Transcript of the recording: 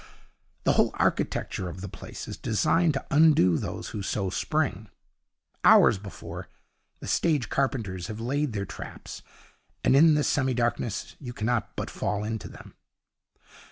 The whole architecture of the place is designed to undo those who so spring. Hours before, the stage carpenters have laid their traps, and in the semi darkness you cannot but fall into them.